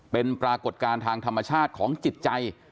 เป็นปรากฏการณ์ทางธรรมชาติของจิตใจ